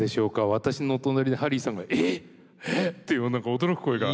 私のお隣でハリーさんが「えっ！えっ！」っていう何か驚く声が。